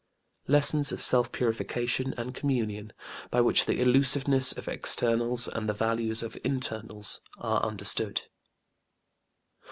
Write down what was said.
Lessons of self purification and communion, by which the illusiveness of externals and the value of internals are understood.